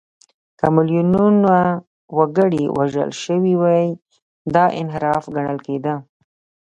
که میلیونونه وګړي وژل شوي وي، دا انحراف ګڼل کېده.